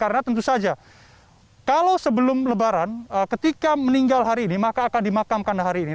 karena tentu saja kalau sebelum lebaran ketika meninggal hari ini maka akan dimakamkan hari ini